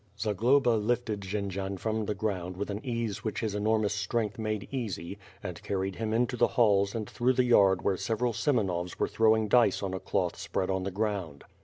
Zagloba lifted Jendzan from the ground with an ease which hi?* enormous strength made easy and carried him into the halls and through the yard where several Semenovs were throwing dice on a cloth spread on the ground.